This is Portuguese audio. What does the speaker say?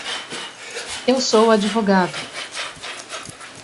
Eu sou advogado.